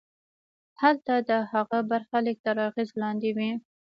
هلته د هغه برخلیک تر اغېز لاندې وي.